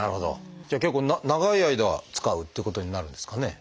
じゃあ結構長い間使うっていうことになるんですかね。